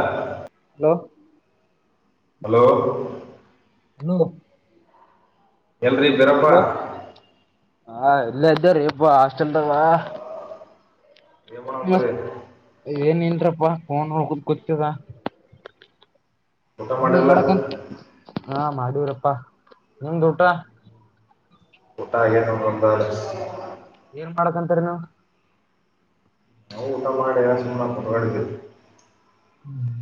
ಹ hello hello hello ಎಲ್ರಿ ಇದಿರಿಯಪ್ಪ ಹಾ ಇಲ್ಲೇ ಇದೀವಿಪ್ಪ ಹಾಸ್ಟೆಲ್ದಾಗ ಏನ್ ಮಾಡಂತ್ರಿ ಏನಿಲ್ಲ ಪ್ಪ ಫೋನ್ ನೋಡ್ಕೊಂಡು ಕೂತಿರಿ ಊಟ ಮಾಡಲ್ಲ ಹಾ ಮಾಡಿವರಪ್ಪಾ ನಿಮ್ದು ಊಟ ಊಟ ಏನು ಏನ್ ಮಾಡಕಂತರಿ ನೀವು ನಾವು ಊಟ ಮಾಡಿ ಏನಿಲ್ಲ ಸುಮ್ನೆ ಕುತ್ಕೊಂದಿವಿ ಹ್ಮ್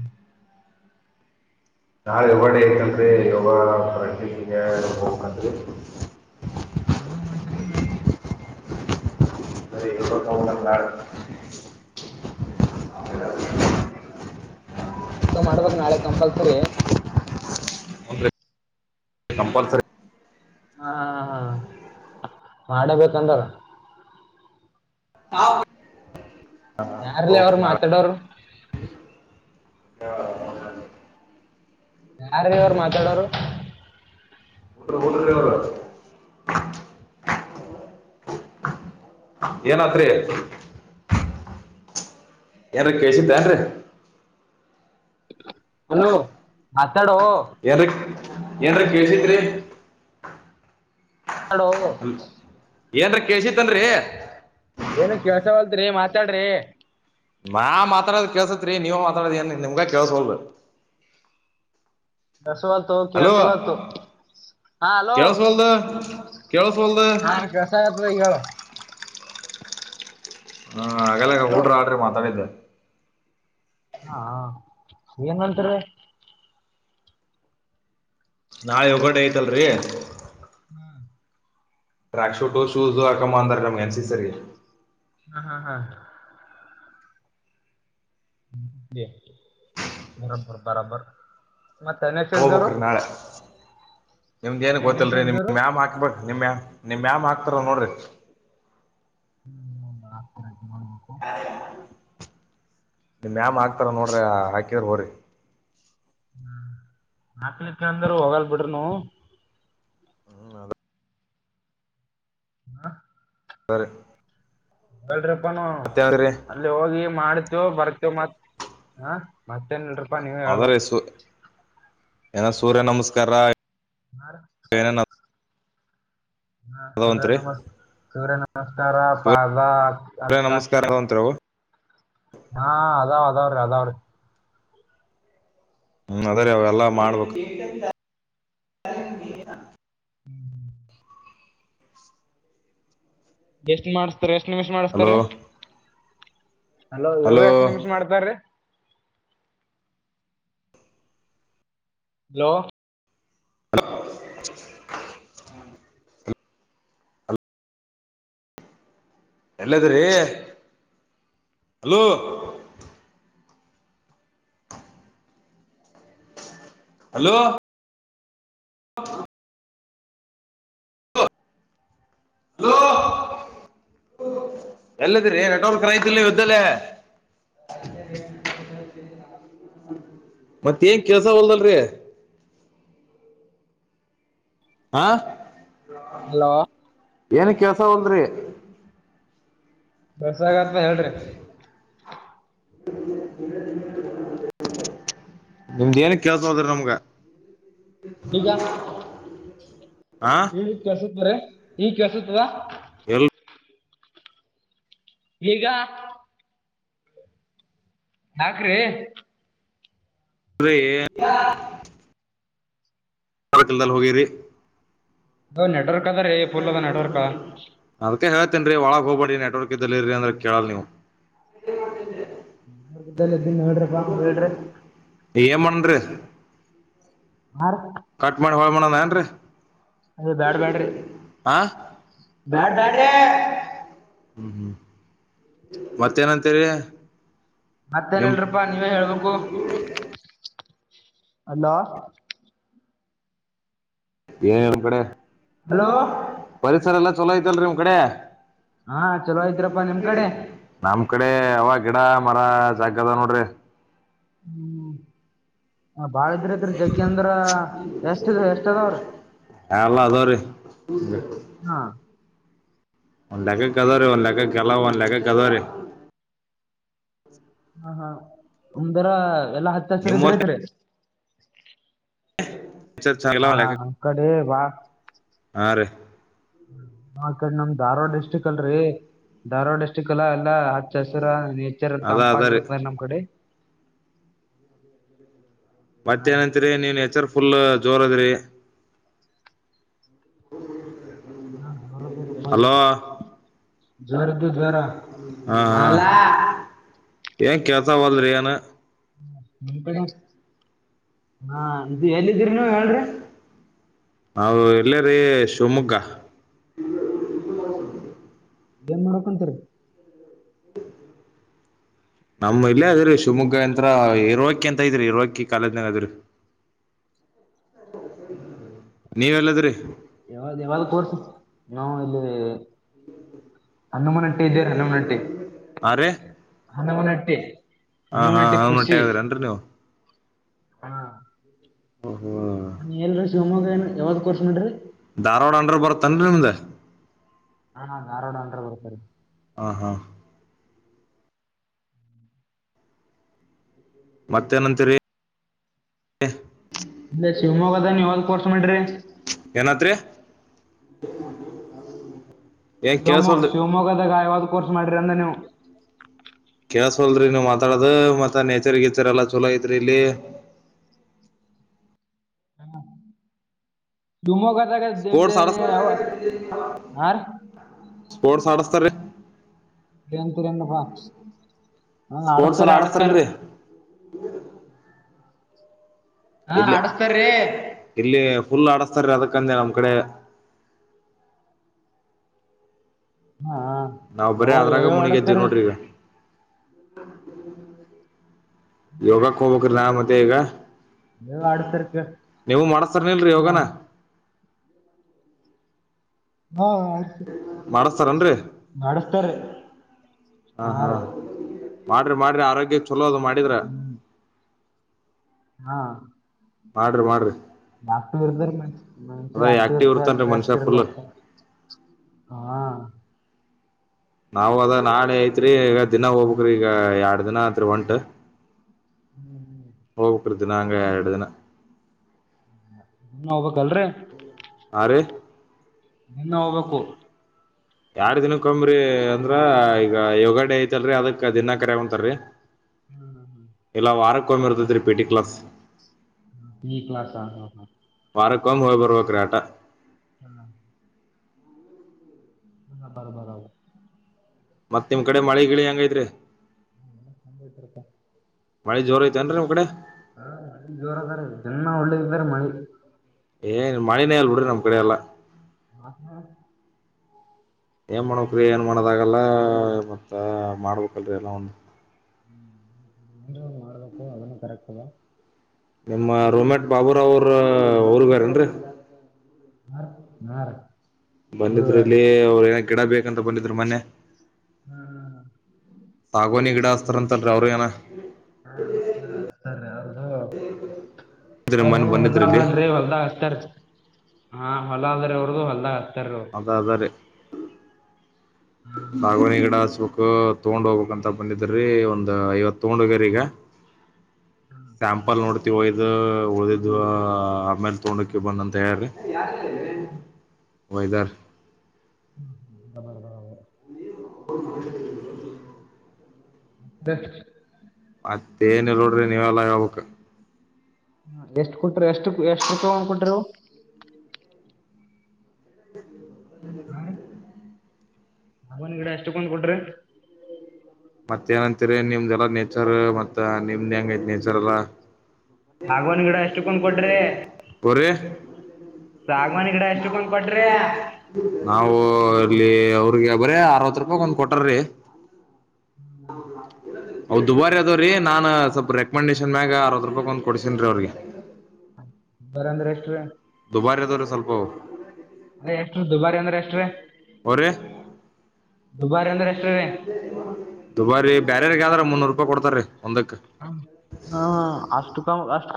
ನಾಳೆ ಯೋಗಡಕಲ್ರಿ ಯೋಗ ಪ್ರಾಕ್ಟೀಸ್ ಯೋಗ ಯವ ಮಾಡ್ತರ ನಾಳೆಗೆ. ಅ ಇ ತ ನ ನಾಳ. [inaudible] ಹಗ ಮಾಡ್ಬೇಕಕ್ ನಾಳೆ ಕಂಪಲ್ಸರಿ. ಹ್ಞೂನ್ರಿ, ಕಂಪಲ್ಸರಿ. ಹಾ ಹಾ ಹಾ ಮಾಡೇಬೇಕಂದ. ಹಾ. ಯಾರಲ್ಲ ಅವರು ಮಾತಾಡೋರು. ಯಾರವರು ಮಾತಾಡೋರು. ಹುಡ್ರಿ ಹುಡ್ರಿ ಅವ್ರು ಏನತ್ರಿ. ಏಾರ ಕೇಳಸಿದ್ದೆನ್ರೀ. ಹಲೋ. ಎಡೋ. ಏನ್ರಿ ಏನ್ರ ಬೇಸಿದ್ರಿ. ಹೋ. ಏನ್ರೀ ಕಸಿ ತನ್ರರಿ. ಏನು ಕೆಲಸವಲ್ತ್ರಿ ಮಾತಾಡ್ರಿ. ನಾ ಮಾತಾಡದ ಕೇಸತ್ರಿ ನೀವ ಮಾತಾಡಿ ಏನ್ ನಿಮ್ಗ ಕೇಸೋಲ್ರಿ. ಕೆಸತ್ತುು ಕೆಸವತ್ತುು ಹಾ ಹಲೋ ಕೇಳಸ್ವಲ್ದ ಕೇಳಸ್ವಲ್ದ ಹಾ ಕೆಸ ಆತ. ಹ್ಮ ಹಾಗಲ್ಲ ಹಲೋ ಹೂಡ್ರ ಆಡ್ರಿ ಮಾತಾಡಿದ್ದೆ. ಹಾ ಹೆಂಗಂತೀ. ನಾಳೆ ಹೊಗಟೆ ಐತಲ್ರಿ. ಹ್ಮ್. ಟ್ರ್ಯಾಕ್ ಶೂಟು ಶೂಸು ಹಾಕಮ್ಮ ಅಂದಾರೆ ನಮ್ಗೆ ಎನ್ಸ ಸರಿ. ಹ್ಮ ಹಾ್ ಹಾ. ನಿರ್ಮ ತರ ಬರಬರ್. ಮತ್ತೆ ಅನಕ್ಷಿದರು. ನಿಮ್ದ್ ಏನು ಗೊತ್ತಲ್ರಿ ನಿಮ್ ಮ್ಯಾಮ ಹಾಕ್ಬೇಕ ನಿಮ ಮ್ಯ. ನಿಮ್ ಯಾಮ್ ಹಾಕ್ತಾರ ನೋಡ್ರಿ. ಹ್ಮ್ ಹ ಆಗ್ತರ. ಹ. ನಿಮ ಮ್ಯಾಮ್ ಹಾಕ್ತಾರ ನೋಡ್ರಿ ಹಾಕಿದ್ರ ಹೋರಿ. ಹ್ಮ್ ನಾಕ್ಲಿಕ್ಕೆ ಅಂದ್ರ ಹೋಗಲ್ ಬಿಡ್ರಿನು. ಹ್ಮ್ ಅ. ಹಾ. ಬ. ್ರಪ್ಪಾನ ಅಲ್ಲಿ ಹೋಗಿ. ಮಾಡ್ತೇವ ಬರ್ತೇವ ಮತ್ ಹ ಮತ್ತೇನ್. ನೀವೇ ಅದರೆ ಹೇಳ್ಬೇಕು ಸ್. ಏನ ಸೂರ್ಯ ನಮಸ್ಕಾರ. ಹ ಏನೇನ ಹಾ ಅವರ ಅದಾವಂತ್ರಿ ನರ ನಸ್ತರ ಪಾಜ ಹ ನಮಸ್ಕಾರ ಒಂ ಹಾ ಅದಾವ್ ಅದಾವ್ರೀ ಅದಾವ್ರೀ ಹ್ಮ್ ಅದೇರೀ ಅವೆಲ್ಲಾ ಮಾಡ್ಬೇಕು ಎಷ್ಟ ಮಾಡ್ತ ಎಷ್ಟು ನಿಮಿಷ ಮಾಡಿಸ್ತಾರ ಹಲೋ ಅಲೋ ಹಲೋ ಯೋಗಸ್ ನಿಮಿಷ ಮಾಡ್ತಾರೀ ಹಲೋ ಹ ಎಲ್ಲದ್ರೀ ಅಲೂ ಹಲೋ ಹ ಹಲೋ ಎಲ್ಲದ್ರಿ ನಟರ್ಯತಿಲ್ ನೀದಲ್ಲೇ ಮತ್ತೇನ್ ಕೆಲ್ಸ ಹೊಲ್ದಲ್ರಿ ಹಾ ಹಲೋ ಏನ ಕಳ್ತ ತೌಂದ್ರ ಬಸಾಗತ್ವಾ ಹೇಳ್ರಿ ನಿಮ್ದ ಏನ್ ಕೆಲ್ಸ ಹದ್ರ ನಮ್ಗ ಈಗ ಹಾ ಹೇಳ ಕೆಲ್ಸತ್ ಬ್ರ ನೀ ಕೇಳಸತದಾ ಎಲ್ ಈಗ ಹಾಕ್ರಿ ಅ ಹಕಲ್ದಲ್ ಹೋಗ ರ ಹೌ ನೆಟರ್ ದ್ರ ಪುಲ್ಲದ ನೆಡ್ವರ್ಕ ನ್ರರಿ ಒಳಗ್ ಹೋಗ್ಬೇರಿ ನೆಟ್ವರ್ಕ್ ಇದ್ದಲ್ಲಿರರಿ ಅಂದ್ರ ಕೇಳಲ್ ನೀವು ಲ್ಲ ಇದ್ದನ್ ಹೇಳ್ರಿಪ್ಪಾ ಹೇಳ್ರಿ ಏನ್ ಮಾಡನ್ರಿ ಹ ಕಟ್ ಮಾಡಿ ಹಳ ಮಾಡಣನ ಏನ್ರರಿ ಅದೇ ಬ್ಯಾಡ್ ಬ್ಯಾಡ್ರಿ ಬ್ಯಾಡ್ ಬ್ಯಾಡ್ರಿ ಹ್ಮ್ ಹ್ಮ್ ಮತ್ತೇನಂತರಿ ಮತ್ತೇನಲ್ರಪಾ ನೀವೇ ಹೇಳ್ಬೇಕು ಅಲ್ಲ ಒ ಕಡೆ ಹಲೋ [inaudible] ಪರಿಸರ ಎಲ್ಲಾ ಚಲೋ ಐತಲ್ರಿ ನಿಮ್ ಕಡೆ ಹಾ ಚಲೋ ಇದ್ರಪ್ಪಾ ನಿಮ್ ಕಡೆ ನಮ್ ಕಡೆ ಅವ ಗಿಡ ಮರ ಜಾಗದ ನೋಡ್ರಿ ಹ್ಮ್ ಬಾಳ ಇದ್ರತ್ರಿ ಜಗ್ಗಿ ಅಂದ್ರ ಎಷ್ಟ ಎಷ್ಟ ಅದಾವ್ರಿ ಹಲ್ಲ ಅದ ರೀ ಹಾ ಒಂದ್ ಲೆಕ್ಕ ಕದಾವ್ರರಿ ಒಂದ್ ಲೆಕ್ಕ ಕೆಲ್ಲ ಒಂದ್ ಲೆಕ್ಕ ಕದಾವ್ರೀ ಹಾ ಹಾ ಒಂದರ ಎಲ್ಲಾ ಹತ್ತಸರ ಇದ್ರ ನಿಮ್ಮಷ್ಟ ಐತ್ರಿ ಹಾ ಅ ಕಡೆ ವಾ ಹಾ ರೀ ನಾ [inaudible] ನಮ ಧಾರವಾಡ ಡಿಸ್ಟ್ರಿಕ್ ಅಲ್ರಿ ಧರಾವಾಡಿಸ್ಟಕ್ [unintelligible] ಕಲಾ ಎಲ್ಲ ಆ ಹಸರ ನೇಚರ್ ಅದ ತಂಪ ಅದರಿ ಆಗಿರುತ್ತ ನಮ್ ಕಡೆ ಹಾ ಮತ್ತೇ ರೀ ಏನಂತೀರಿ [unintelligible] ಹೆಸರು ಫುಲ್ ಜೋರ ಅದ್ರಿ ಹೌ [inaudible] [inaudible] ಹಾ ಜ್ವರದ ರೂಪಾಯ ಜ್ವರ್ದ ಜ್ವರ ಹಾ ಹಲ್ಲಾ ಹಾ ಏನ್ ಕೇತಾವಲ್ರಿಯಾನ ನಿ [inaudible] ಹಾ ಎಲ್ಲಿದ್ದೀರಿ ನೀ ಹೇಳ್ರಿ ನಾವು ಎಲ್ಲ ರೀ ಶಿವಮೊಗ್ಗ [inaudible] ನ್ ನೋಡಕಂತಾರೆ ನಮ್ಮ ಇಲ್ಲೇ ಅದ್ರೀ ಶಿವಮೊಗ್ಗ ಯಂತ್ರ ಇರುವಕಿ ಅಂತ ಇದ್ರರಿ ಇರುವಕಿ ಕಾಲದನಾಗ ಅದ್ರಿ ಹ ನೀವ್ ಎಲ್ಲದ್ರಿ ಎ ಎವ ಕೋರ್ಸ ನಾವವು ಎಲ್ಲಿ ಅನ್ನಮ್ಮನ ಅಟಿ ಇದ್ದೇರ್ ಅನ್ನಮ್ಮ ನಟಿ ಹಾ ರೀ ಹನ್ನಮನ ಎಟ್ಟಿ ಹಾ ಹಾ ಹ ಮಟ್ಟೆ ಹದ್ರನ್ರಿ ನೀವು ಹಾ ಹಾ [inaudible] ನ ಎಲ್ರಿ ಶಿವಮೊಗ್ಗ ಏನು ಯಾವ್ದ್ ಕೋರ್ಸ್ ಮಾಡಡ್ರಿ ಹಾಡ ಹಂಡ್ರ ಬರುತ್ತನ್ರಿ ನಿಮ್ದ ಹಾ ಹ ನಾರೋಡ ಅಂದ್ರ ಬರ್ತಾರೆ ಆ ಹಾ ಮತ್ತೇನಂತರಿ ಹ [inaudible] ಶಿವಮೊಗ್ಗದ ನೀವ ಹೊಲ್ ಕೋರ್ಸ ಮಾಡೇ್ರಿ ಏನತ್ರರಿ ಶಿವಮೊ ಶಿವಮೊಗ್ಗದಾಗ ಯಾವಾಗ ಕೋರ್ಸ್ ಮಾಡಿ್ರಿ ಅಂದ ನೀವು ಸೋಲ್್ರರಿ ನೀವ್ ಮಾತಾಡದು ಮತ್ತ ನೇಚರ್ ಗೀಚರ್ ಎಲ್ಲ ಚಲೋ ಐತ್ರಿ ಇಲ್ಲಿ ೂಮಗ ಸ್ಪೋರ್ಟ್ ಅಡ್ಸ್ ಹಾ ರಿ ಸ್ಪೋರ್ಟ್ಸ್ ಆಡಸ್ತಾರೀ ಂತರ [unintelligible] ಬಾ ಸ್ಪೋರ್ಟ್ಸ್ ಎಲ್ಲ ಆಡಸ್ತಾರಲ್ರಿ [inaudible] ಹಾ ಇಲ್ಲಿ ಆಡಸ್ತಾರ್ರೀ ಇಲ್ಲಿ ಫುಲ್ ಆಡಸ್ತಾರೀ ಅದಕ್ಕಂದೆ ನಮ್ ಕಡೆ ಹಾ ನಾವ್ ಯಾವೋ ಯಾವ್ಯಾವ ಆಡಸ್ತಾರ ಹ [inaudible] ಯೋಗ ಕೋಬಕ ಆಲ್ ಮತ್ ಬೇಗ ನೀ ಅಡುತರ್ಕ ಮಾಡಸ್ತಾರನಲ್ರರಿ ಹಾ ಯೋಗನ ಹಾ ಆಡ್ಸ್ ಮಾಡಸ್ತಾರನ್ರಿ ಆಡಸ್ತಾರ್ರೀ ಹ ಹಾ ಮಾಡ್ರಿ ಮಾಡ್ರಿ ಆರೋಗ್ಯ ಚಲೋ ಅದು ಮಾಡಿದ್ರ ಹಾ ಮಾಡ್ರಿ ಮಾಡ್ರಿ ಾಕ್ಟ್ ಇರ್ದ ಮಷ ಅದ ಆಕ್ಟಿವ್ ಇರ್ ಇರ್ತನ್ರಿ ಮನುಷ್ಯ ಫುಲ್ ಸ್ಟ್ರೆಸ್ರಲಟ ಹಾ ನಾವವು ಅದ ನಾಳೆ ಐತ್ರಿ ಈಗ ದಿನ ಹೋಗ್ಬ್ರಿ ಈಗ ಎರಡ್ ದಿನ ಐತ್ರಿ ಒಂಟ ಹ್ಮ್ [inaudible] ಹೋಗ [inaudible] ಇದಿನಂಗ ಎರಡು ದಿನ ನೀ ಹೋಗ್ಬೇಕಕ್ಲ್ರಿ ಆ ರೀ ನಿನ್ನ ಹೋಗ್ಬೇಕು ಯಾರ್ ದಿನ ಕಂಬ್ರಿ ಅಂದ್ರ ಈಗ ಯೋಗ ಡೇ ಐತಲ್ರರಿ ಅದಕ್ ದಿನಾ ಕರ ಹೊಂತಾರರಿ ಹ್ಮ್ ಹ್ಮ್ [inaudible] ಹಕೊಂಡ ಬರ್ತದೆ ರರಿ ಪೇಟಿ ಕ್ಲಾಸ್ ನೀಕ್ಲತ ಹ ಹಾ [unintelligible] ವಾರಕ್ಕೊಂಬ್ ಹೋಗ್ ಬರ್ಬೇಕ ರೀ ಆಟ ಹ [inaudible] ಹ್ಮ ಬರ ಬರ ಮತ್ತತ್ ನಿಮ್ ಕಡೆ ಮಳೆ ಗಿಳಿ ಹೆಂಗೈತ್ರಿರಿ ಮಳಿ ಜೋರ್ ಐತೆೇನ್ರಿ ನಿಮ್ ಕಡೆ ಹ ಜೋರದ ಜ್ಣ ಒಳ್ಳೇದಾರೆ ಮಿ ಏ ಮಳನೇ ಅಲ್ ಬಿಡ್ರಿ ನಮ್ ಕಡೆ ಎಲ್ಲಾ ಹ್ಮ ಏನ್ ಮಾಡ್ಬೇಕ್ರೀ ಏನ್ ಮಾಡೋದಾಗಲ್ಲ ಮತ್ತ ಮಾಡ್ಬೇಕಲ್ರಿ ಎಲ್ಲ ಒಂದ ಹ್ಮ್ ಎ ಮಾಡ್ಬೇಕು ಅದನ್ನು ಕರೆಕ್ಟ್ದಾ ನಿಮ್ಮ ರೋಮೆಟ್ ಬಾಬೂರಾವ್ರ ಅವ್ರಗಾರೇನ್ರಿ ನಾರ ಬಂದಿದ್ರ ಇಲ್ಲಿ ಅವ್ರ ಏನ ಕೆಡ ಬೇಕಂತ ಬಂದಿದ್ರು ಮೊನ್ನೆ ತಾಗೋನಗಡ ಅತ್ರರ ನಂತ ರೌರಿಯಣ ಹಾ ಸರತರಿ ಅ ಅವ್ರ ಮೊನ್ನೆ ಬಂದಿದ್ರಿ ಇಲ್ಲಿ ಹೊದೀ ಹೊಲ್ದಾಗತ ಹಾ ಹೊಲ ಅಂದ್ರೆ ಅವ್ರಗು ಹೊಲ್ಲ ಅದಾದಾರೆ ಸಾಗವಾಣಿ ಗಿಡ ಹಸ್ಬೇಕಕ್ ತಗೊಂಡ್ ಹೋಗ್ಬೇಕಕ್ ಅಂತ ಬಂದಿದ್ರಿ ಒಂದ್ ಐವತ್ ತಗೊಂಡೋಗ್ರೀಗ ಸ್ಯಾಂಪಲ್ ನೋಡ್ ತ್ತ ಒಯ್ದ ಉಳ್ದಿದ್ದು ಆಮೇಲೆ ತೊಡೋಕೆ ಬಂದಂತ ಹೇಳಾರಿ ಹ್ಮ ಒದರ್ ಹ್ಮರರ [inaudible] ಮತ್ತೆ ಮತ್ತೇಏನ್ ಇಲ್ ನೋಡ್ರಿ ನೀವೆಲ್ಲ ಯಾವಕ್ ಹ ಎಷ್ಟು ಕುಟ್ಟ ಎಷ್ಟು ಎಷ್ಟ ರೂಪಾಯಿ ಒಂದ್ಕ ಕೊಟ್ಟ್ರರು ಹ್ಮ್ಮ್ ಹ್ಮ ಹ ಆಬನ ಗಿಡ ಎಷ್ಟುಕೊಂಡ್ ಕೊಟ್ರಿ ಮತ್ತ ಏನಂತರಿ ನಿಮ್ದ ಎಲ್ಲ ನೇಚರ್ ಮತ್ ನಿಮ್ದ್ ಹೆಂಗ ಐತಿ ನೇಚರ್ ಎಲ್ಲ ಸಾಗವಾನಿ ಗಿಡ ಎಷ್ಟಕ್ಕೊಂದ್ ಕೊಟ್ರಿ ಪ [inaudible] ಸಾಗವಾನಿ ಗಿಡ ಎಷ್ಟಕ್ಕೊಂದ್ ಕೊಟ್ರಿ ನಾವು ಅಲ್ಲಿ ಅವ್ರಿಗೆ ಬರ ಅರವತ್ ರೂಪಾಯ ಒಂದ್ ಕೊಟಾರಿ ಹ್ಮ ಅವ್ ದುಬಾರಿ ಅದಾವ್ರೀ ನಾನ್ ಸ್ವಲ್ಪ ರೆಕಮೆಂಡೇಶನ್ ಮ್ಯಾಗ ಅರವತ್ತು ರೂಪಾಯಿ ಒಂದು ಕೊಡ್ಸಿನನ್ ರೀ ಅವ್ರಿಗೆ ಬರಂದ್ರೆ ಎಷ್ಟುರಿ [unintelligible] [unintelligible] [unintelligible] ಎಷ್ಟ್ರೀ ದುಬಾರಿ ಅಂದ್ರೆ ಎಷ್ಟ್ರೀ ದುಬಾರಿ ಅಂದ್ರೆ ಎಷ್ಟ್ರೀ ಮುನ್ನೂರುೂಪಾಯಿ ಕೊಡ್ತರಿ. ಹ ಹಾ ಅಷ್ಟು ಕ ಅಷ್ಟ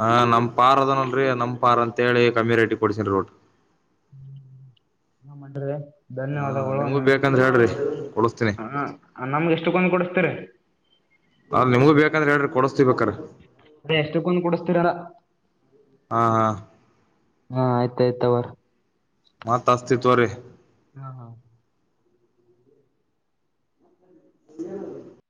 ಹ ನಮ್ಮ ಪಾರದ ನೋಡ್ [unintelligible] ನಮ್ [unintelligible] ಅಂತೇಳಿ ಕಮ್ಮಿ ರೇಟಿ ಕೊಡ್ಸ [unintelligible] [unintelligible] ಹಾ ಧನ್ಯವಾದಗಳು ನಿಮ್ಗೂ ಬೇಕಂದ್ರೆ ಹೇಳ್ರಿ ಕೊಡಸ್ತೀನಿ [unintelligible] ನಮ್ಗೆ ಎಷ್ಟಕ್ಕಂದು ಕೊಡಸ್ತೀರಿ ನ ನಿಮ್ಗೂ ಬೇಕಂದ್ರೆ ಹೇಳ್ರಿ ಕೊಡ್ ಅದೇ ಎಷ್ಟಕ್ಕಂದ [unintelligible] ಕುಡಸ್ತೀರಾ ಹಾ ಹಾ ಹಾ ಆಯ್ತ ಆಯ್ತ [unintelligible] ಮತ್ತ ಅಸ್ತಿ [unintelligible] ತವರಿ ಹಾ ಹಾ [unintelligible]